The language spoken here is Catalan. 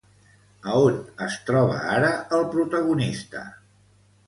A on es troba ara el protagonista?